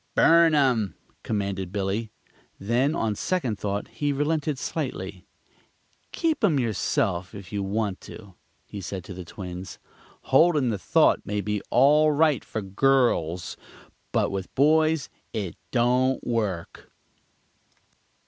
"Burn 'em!" commanded Billy. Then, on second thought, he relented slightly. "Keep 'em yourself if you want to," he said to the twins. "Holdin' the thought may be all right for girls, but with boys it don't work!"